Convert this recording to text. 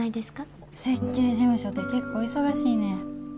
設計事務所って結構忙しいねん。